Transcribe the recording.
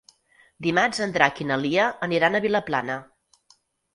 Dimarts en Drac i na Lia aniran a Vilaplana.